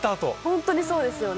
本当にそうですよね。